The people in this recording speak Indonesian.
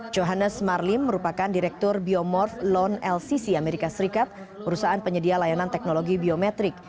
johannes marlim merupakan direktur biomorph loan lcc amerika serikat perusahaan penyedia layanan teknologi biometrik